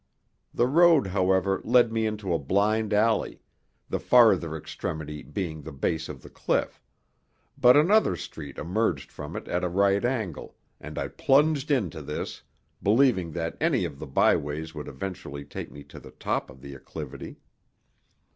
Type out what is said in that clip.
The road, however, led me into a blind alley, the farther extremity being the base of the cliff; but another street emerged from it at a right angle, and I plunged into this, believing that any of the byways would eventually take me to the top of the acclivity.